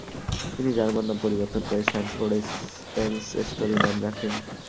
তিনি জার্মান নাম পরিবর্তন করে স্যান্ডফোর্ড স্পেন্স স্টোরি নাম রাখেন।